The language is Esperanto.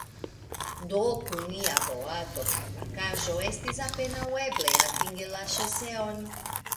Do, kun nia boato kaj pakaĵo estis apenaŭ eble atingi la ŝoseon.